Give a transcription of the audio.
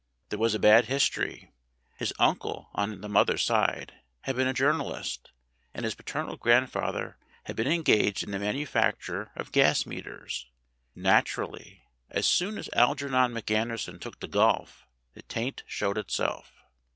There was 49 50 STORIES WITHOUT TEARS a bad history : his uncle on the mother's side had been a journalist, and his paternal grandfather had been en gaged in the manufacture of gas meters. Naturally, as soon as Algernon Me Anderson took to golf, the taint showed itself.